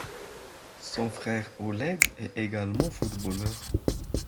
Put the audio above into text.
Son frère, Oleg, est également footballeur.